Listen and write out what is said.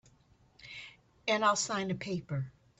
And I'll sign a paper.